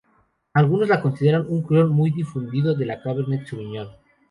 Algunos la consideran "un clon muy difundido de la cabernet sauvignon".